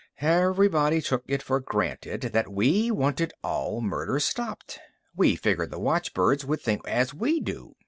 "Everybody took it for granted that we wanted all murder stopped. We figured the watchbirds would think as we do.